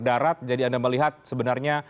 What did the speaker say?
darat jadi anda melihat sebenarnya